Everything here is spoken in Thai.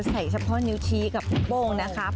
ใส่เฉพาะนิ้วชี้กับลูกโปงไว้นะครับ